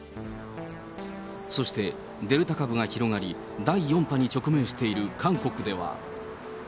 そしてデルタ株が広がり、第４波に直面している韓国では。